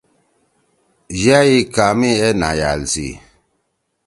یأ ئی کامے اے نھأیأل سی